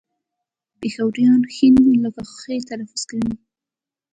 پېښوريان ښ لکه خ تلفظ کوي